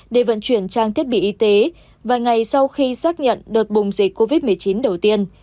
để vận chuyển trang thiết bị y tế vài ngày sau khi xác nhận đợt bùng dịch covid một mươi chín đầu tiên